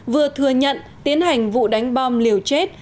vừa thừa nhận tiến hành vụ đánh bom liều chết